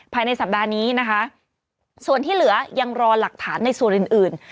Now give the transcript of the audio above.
ภายในสัปดาห์นี้นะคะส่วนที่เหลือยังรอหลักฐานในส่วนอื่นอื่น